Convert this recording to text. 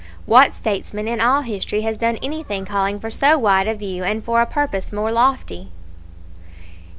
"What statesman in all history has done anything calling for so wide a view and for a purpose more lofty?"